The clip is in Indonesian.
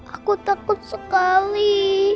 aku takut sekali